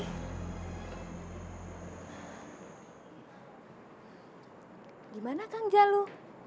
bagaimana kang jalu